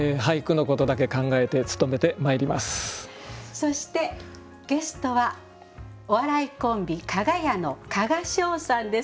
そしてゲストはお笑いコンビかが屋の加賀翔さんです。